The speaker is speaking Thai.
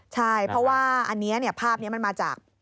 ใช่เพราะว่าภาพนี้มันมาจาก